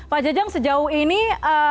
pak jajang sejauh ini sampai dengan hari ini